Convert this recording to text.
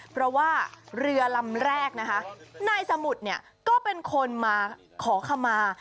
เพราะว่าเรือลำแรกนะคะนายสมุทรเนี่ยก็เป็นคนมาขอขมา